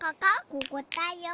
ここだよ。